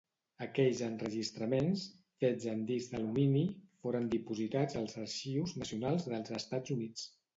Aquells enregistraments, fets en disc d'alumini, foren dipositats als Arxius Nacionals dels Estats Units.